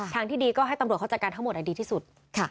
ทางที่ดีก็ให้ตำรวจเขาจัดการทั้งหมดให้ดีที่สุด